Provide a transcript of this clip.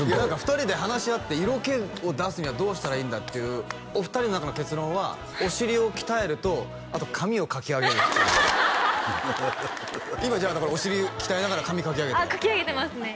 ２人で話し合って色気を出すにはどうしたらいいんだっていうお二人の中の結論はお尻を鍛えるとあと髪をかき上げるっていう今じゃあお尻鍛えながら髪かき上げてかき上げてますね